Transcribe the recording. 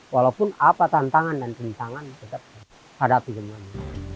walaupun apa tantangan dan perintangan tetap ada di tempat ini